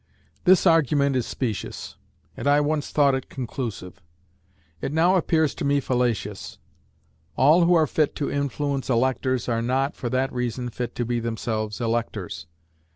"This argument is specious, and I once thought it conclusive. It now appears to me fallacious. All who are fit to influence electors are not, for that reason, fit to be themselves electors.